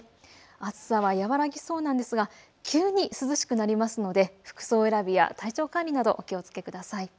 暑さは和らぎそうなんですが急に涼しくなりますので服装選びや体調管理などお気をつけください。